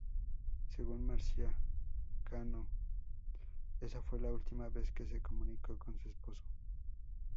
Según Marcia Cano esa fue la última vez que se comunicó con su esposo.